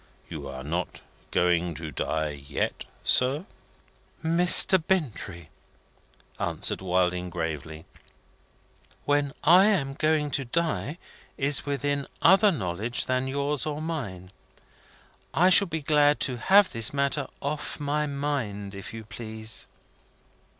You are not going to die yet, sir." "Mr. Bintrey," answered Wilding, gravely, "when I am going to die is within other knowledge than yours or mine. I shall be glad to have this matter off my mind, if you please."